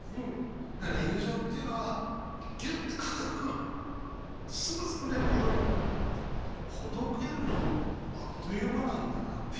だから友情っていうのはギュッて固くすぐ作れるけどほどけるのもあっという間なんだなって。